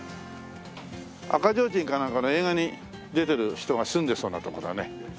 『赤ちょうちん』かなんかの映画に出てる人が住んでそうなとこだね。